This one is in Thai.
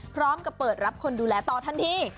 พร้อมกับเปิดรับคนดูแลต่อทันที